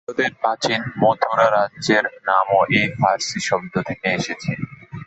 ভারতের প্রাচীন মথুরা রাজ্যের নামও এই ফার্সি শব্দটি থেকে এসেছে।